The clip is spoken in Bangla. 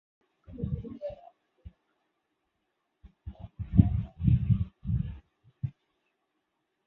তাঁরা সোহরাওয়ার্দীর উদ্যোগের বিরুদ্ধে বাঙালি হিন্দুদের একটি বিরাট অংশকে সংগঠিত করেন।